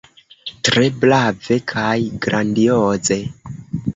Tre brave kaj grandioze!